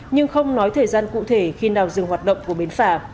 nhưng không nói thời gian cụ thể khi nào dừng hoạt động của bến phà